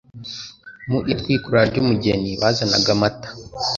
Mu itwikurura ry'umugeni bazanaga amata